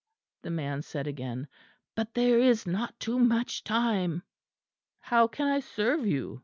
the man said again, "but there is not too much time." "How can I serve you?"